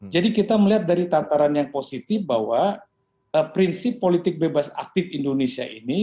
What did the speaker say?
jadi kita melihat dari tataran yang positif bahwa prinsip politik bebas aktif indonesia ini